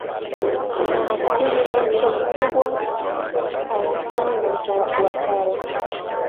na hasimu wake mkubwa alasan watara